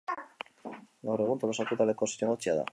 Gaur egun Tolosako Udaleko zinegotzia da.